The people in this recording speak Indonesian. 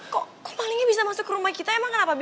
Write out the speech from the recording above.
kok malingnya bisa masuk rumah kita emang kenapa bibi